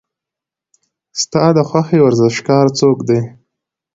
ستا د خوښې ورزشکار څوک دی؟